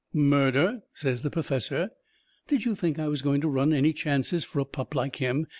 "Murder!" says the perfessor. "Did you think I was going to run any chances for a pup like him?